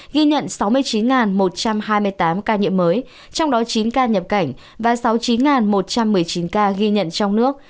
ghi nhận sáu mươi chín một trăm hai mươi tám ca nhiễm mới trong đó chín ca nhập cảnh và sáu mươi chín một trăm một mươi chín ca ghi nhận trong nước